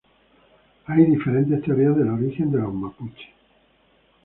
Hay diferentes teorías del origen de los mapuches.